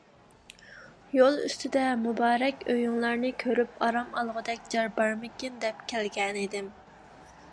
يول ئۈستىدە مۇبارەك ئۆيۈڭلارنى كۆرۈپ، ئارام ئالغۇدەك جاي بارمىكىن دەپ كەلگەنىدىم.